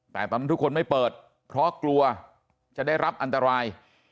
แต่ตอนนั้นทุกคนไม่เปิดเพราะกลัวจะได้รับอันตราย